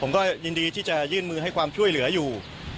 ก็ยินดีที่จะยื่นมือให้ความช่วยเหลืออยู่